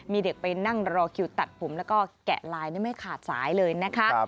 มีเด็กไปนั่งรอคิวตัดผมแล้วก็แกะลายไม่ขาดสายเลยนะคะ